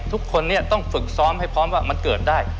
ทุกคนนี้ต้องฝึกซ้อมให้พร้อมว่ามันเกิดได้